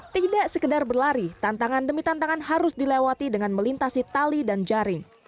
tidak sekedar berlari tantangan demi tantangan harus dilewati dengan melintasi tali dan jaring